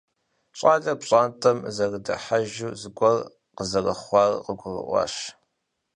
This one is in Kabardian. Щӏалэр пщӏантӏэм зэрыдыхьэжу, зыгуэр къызэрыхъуар къыгурыӏуащ.